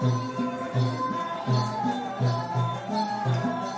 การทีลงเพลงสะดวกเพื่อความชุมภูมิของชาวไทย